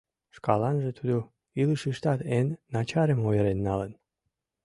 Шкаланже тудо илышыштат эн начарым ойырен налын.